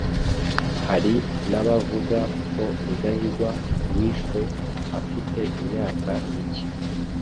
Hari n’abavuga ko Rudahigwa wishwe afite imyaka micye